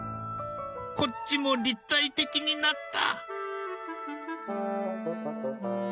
こっちも立体的になった。